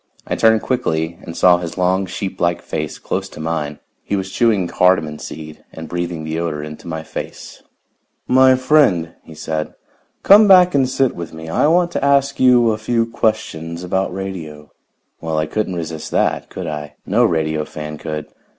I turned quickly and saw his long sheeplike face close to mine. He was chewing cardamon seed and breathing the odor into my face. [Illustration: Outraged citizens were removing their dead.] "My friend," he said, "come back and sit with me; I want to ask you a few questions about radio." Well, I couldn't resist that, could I? No radio fan could.